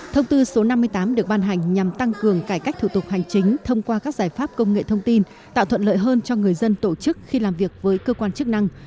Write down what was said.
thông tư số năm mươi tám được ban hành nhằm tăng cường cải cách thủ tục hành chính thông qua các giải pháp công nghệ thông tin tạo thuận lợi hơn cho người dân tổ chức khi làm việc với cơ quan chức năng